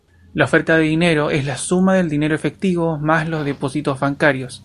La oferta de dinero es la suma del dinero efectivo más los depósitos bancarios.